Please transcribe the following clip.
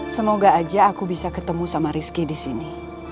semoga aja aku bisa ketemu sama rizky disini